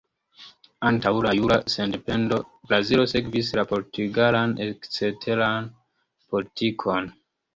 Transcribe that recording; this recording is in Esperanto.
Antaŭ la jura sendependo, Brazilo sekvis la portugalan eksteran politikon.